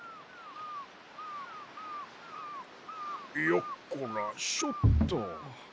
よっこらしょっと。